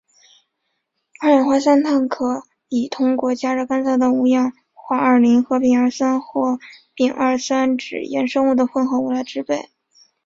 二氧化三碳可以通过加热干燥的五氧化二磷和丙二酸或丙二酸酯衍生物的混合物来制备。